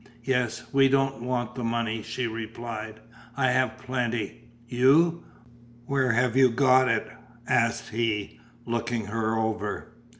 "Yes, we don't want the money," she replied, "I have plenty." "You! Where have you got it?" asked he, looking her over.